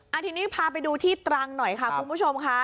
ทีนี้พาไปดูที่ตรังหน่อยค่ะคุณผู้ชมค่ะ